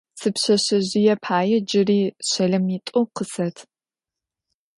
Сипшъэшъэжъые пае джыри щэлэмитӏу къысэт.